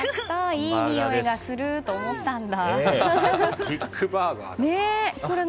いい匂いがすると思ったんだ。